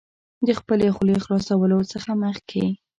د خپلې خولې خلاصولو څخه مخکې